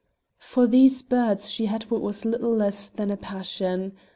For these birds she had what was little less than a passion.